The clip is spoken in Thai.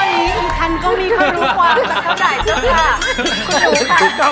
คนนี่อีท่านก็มีความรู้ว่า